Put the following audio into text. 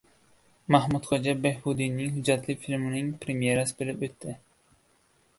“Mahmudxo‘ja Behbudiy” hujjatli filmining premyerasi bo‘lib o‘tdi